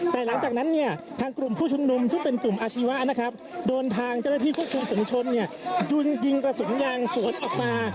แต่หลังจากนั้นเนี่ยทางกลุ่มผู้ชุมนุมซึ่งเป็นกลุ่มอาชีวะนะครับโดนทางเจ้าหน้าที่ควบคุมฝุงชนจุนยิงกระสุนยางสวนออกมา